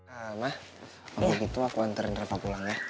emang gitu aku anterin repa pulang ya